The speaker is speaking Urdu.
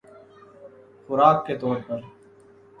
خوراک کے طور پر